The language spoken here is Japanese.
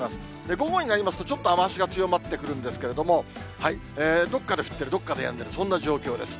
午後になりますと、ちょっと雨足が強まってくるんですけれども、どっかで降ってる、どっかでやんでる、そんな状況です。